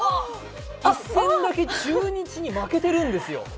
１戦だけ中日に負けてるんですよ。